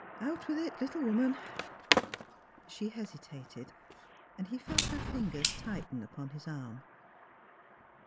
Out with it, little woman! " She hesitated, and he felt her fingers tighten upon his arm.